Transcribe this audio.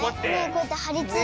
こうやってはりついて。